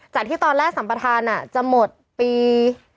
จับที่ตอนแรกสัมปิทานอ่ะจะหมดปี